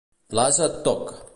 L'ase et toc!